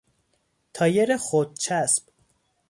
تایر خودچسب